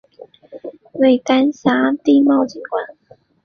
为丹霞地貌景观。